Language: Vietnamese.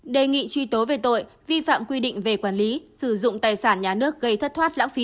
đề nghị truy tố về tội vi phạm quy định về quản lý sử dụng tài sản nhà nước gây thất thoát lãng phí